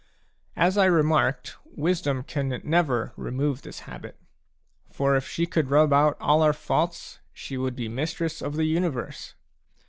As I remarked, Wisdom can never remove this habit; for if she could rub out all our faults, she would be mistress of the universe.